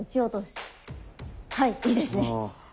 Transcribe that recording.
はいいいですね。